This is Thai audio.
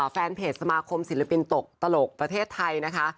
แฟนเพจสมาคมศิลปินตกตลกประเทศไทยนะคะ